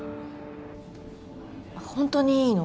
ホントにいいの？